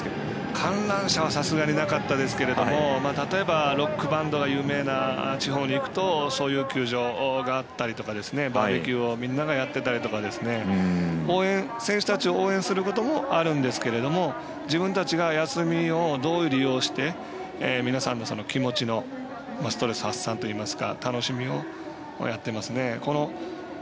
観覧車はさすがになかったですけどたとえば、ロックバンドが有名な地方に行くとそういう球場があったりバーベキューをみんなやってたりとか選手たちを応援することもあるんですけど自分たちが、どう休みを利用して皆さんの気持ちのストレス発散といいますか楽しみをやってますね。